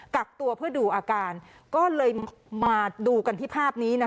กักตัวเพื่อดูอาการก็เลยมาดูกันที่ภาพนี้นะ